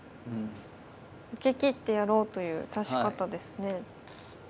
受けきってやろうという指し方ですね。